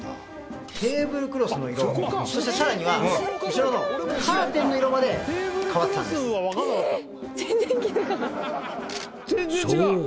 テーブルクロスの色そしてさらには後ろのカーテンの色まで変わったんですそう